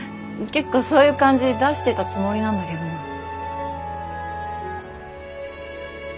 結構そういう感じ出してたつもりなんだけどな？